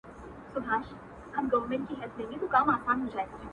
• خدایه عمر مي تر جار کړې زه د ده په نوم ښاغلی ,